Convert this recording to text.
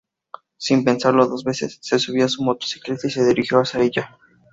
Sin pensarlo dos veces, se subió a su motocicleta y se dirigió hacia allá.